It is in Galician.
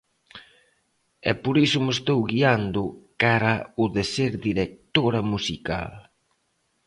E por iso me estou guiando cara o de ser directora musical.